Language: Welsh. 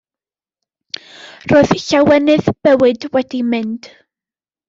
Roedd llawenydd bywyd wedi mynd.